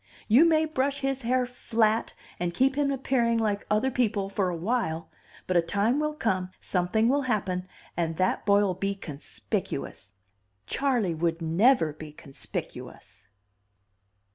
You may brush his hair flat and keep him appearing like other people for a while, but a time will come, something will happen, and that boy'll be conspicuous. Charley would never be conspicuous."